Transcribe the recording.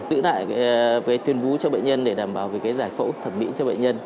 giữ lại cái tuyên vú cho bệnh nhân để đảm bảo cái giải phẫu thẩm mỹ cho bệnh nhân